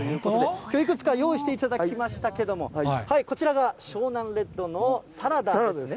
きょう、いくつか用意していただきましたけれども、こちらが湘南レッドのサラダです。